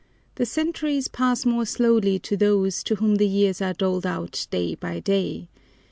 The centuries pass more slowly to those to whom the years are doled out day by day.